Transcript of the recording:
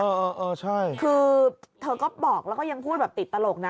เออเออใช่คือเธอก็บอกแล้วก็ยังพูดแบบติดตลกนะ